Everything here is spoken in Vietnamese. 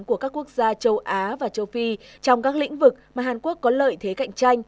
của các quốc gia châu á và châu phi trong các lĩnh vực mà hàn quốc có lợi thế cạnh tranh